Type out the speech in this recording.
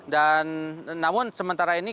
dan namun sementara ini